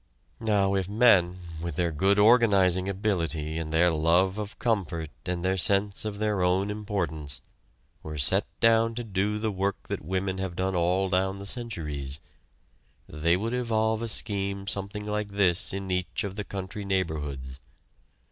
Now, if men, with their good organizing ability and their love of comfort and their sense of their own importance, were set down to do the work that women have done all down the centuries, they would evolve a scheme something like this in each of the country neighborhoods.